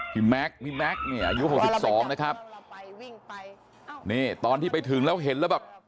พี่มั๊กก็๖๒นะครับนี่ตอนที่ไปถึงแล้วเห็นแล้วแบบ